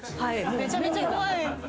めちゃめちゃ怖い。